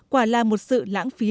quả là một sự lãng phí lớn